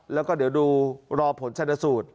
แล้วก็เดี๋ยวดูรอผลชนสูตร